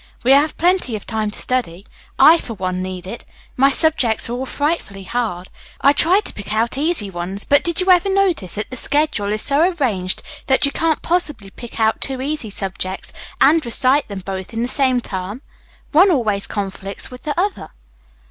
"We have plenty of time to study. I, for one, need it. My subjects are all frightfully hard. I tried to pick out easy ones, but did you ever notice that the schedule is so arranged that you can't possibly pick out two easy subjects and recite them both in the same term? One always conflicts with the other."